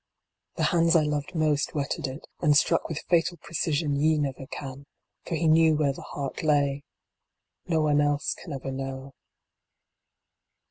The hands I loved most whetted it, and struck with fatal precision ye never can, for he knew where the heart lay. No one else can ever know.